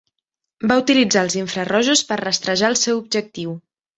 Va utilitzar els infrarojos per rastrejar el seu objectiu.